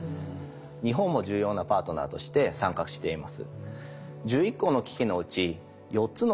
日本も重要なパートナーとして参画しています。